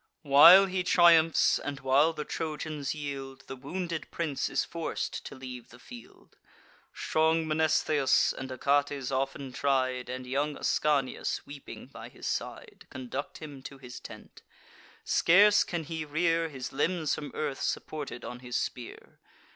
While he triumphs, and while the Trojans yield, The wounded prince is forc'd to leave the field: Strong Mnestheus, and Achates often tried, And young Ascanius, weeping by his side, Conduct him to his tent. Scarce can he rear His limbs from earth, supported on his spear.